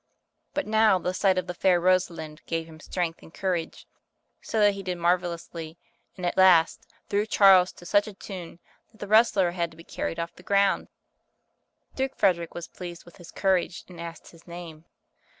But now the sight of the fair Rosalind gave him strength U THE CHILDREN'S SHAKESPEARE, and courage, so that he did marvellously, and at last, threw Charles to such a tune, that the wrestler had to be carried off the ground. Duke Frederick was pleased with his courage, and asked his name.